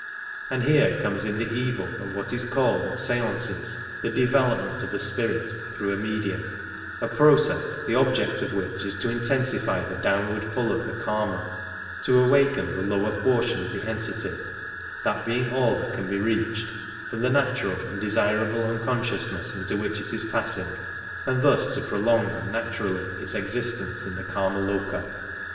And here comes in the evil of what is called at stances the development " of a spirit through a medium — ^a process the object of which is to intensify the downward pull of the Kama, to awaken the lower portion of the entity (that being all that can be reached) from the natural and desirable unconsciousness into which it is passing, and thus to prolong unnaturally its existence in the Kamaloka.